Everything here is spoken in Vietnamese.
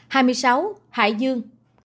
hai mươi sáu hải dương